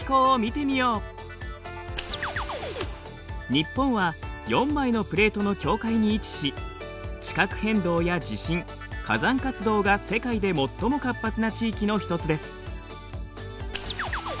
日本は４枚のプレートの境界に位置し地殻変動や地震火山活動が世界で最も活発な地域の一つです。